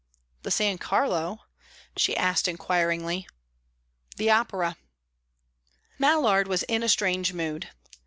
"The San Carlo?" she asked inquiringly. "The opera." Mallard was in a strange mood.